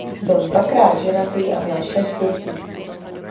Byl dvakrát ženatý a měl šest dětí.